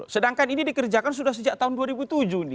sedangkan ini dikerjakan sudah sejak tahun dua ribu tujuh nih